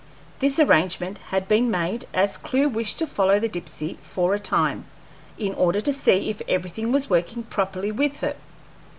This arrangement had been made, as Clewe wished to follow the Dipsey for a time, in order to see if everything was working properly with her.